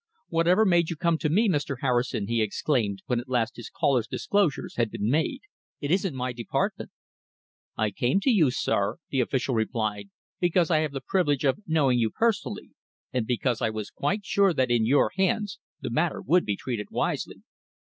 "Whatever made you come to me, Mr. Harrison?" he exclaimed, when at last his caller's disclosures had been made. "It isn't my department." "I came to you, sir," the official replied, "because I have the privilege of knowing you personally, and because I was quite sure that in your hands the matter would be treated wisely."